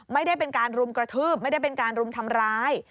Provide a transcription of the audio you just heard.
ไม่ได้เป็นการรุมกระทืบไม่ได้เป็นการรุมทำร้าย